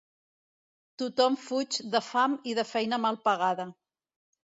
Tothom fuig de fam i de feina mal pagada.